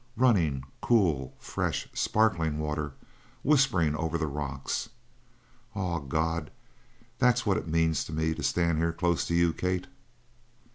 Runnin', cool, fresh, sparkling water whispering over the rocks. Ah, God, that's what it means to me to stand here close to you, Kate!